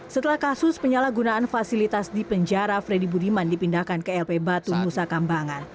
setelah kasus penyalahgunaan fasilitas di penjara freddy budiman dipindahkan ke lp batu nusa kambangan